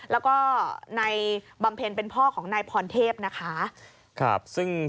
แล้วก็นายบำเพ็ญเป็นพ่อของนายพรเทพนะคะ